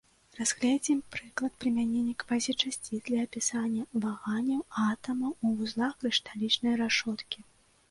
Разгледзім прыклад прымянення квазічасціц для апісання ваганняў атамаў ў вузлах крышталічнай рашоткі.